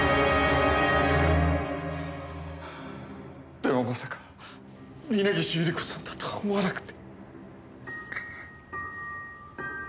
でもまさか峰岸百合子さんだとは思わなくて。